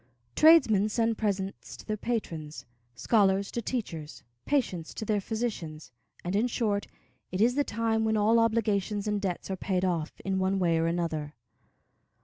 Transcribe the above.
Tradesmen send presents to their patrons, scholars to teachers, patients to their physicians, and, in short, it is the time when all obligations and debts are paid off, in one way or another.